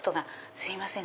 すいません